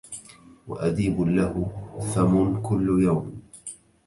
وأديب له فم كل يوم